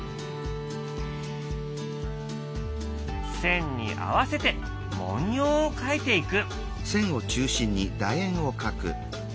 線に合わせて文様を描いていく。